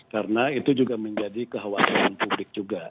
karena itu juga menjadi kekhawatiran publik juga